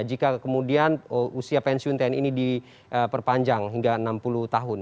jika kemudian usia pensiun tni ini diperpanjang hingga enam puluh tahun